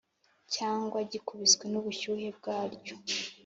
cyangwa gikubiswe n’ubushyuhe bwaryo.